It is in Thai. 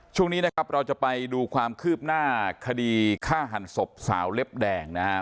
ช่วงนี้นะครับเราจะไปดูความคืบหน้าคดีฆ่าหันศพสาวเล็บแดงนะครับ